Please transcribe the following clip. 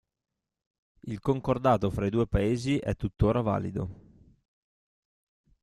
Il concordato fra i due paesi è tuttora valido.